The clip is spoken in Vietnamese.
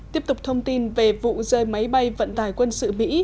tiếp tục thông tin về vụ rơi máy bay vận tài quân sự mỹ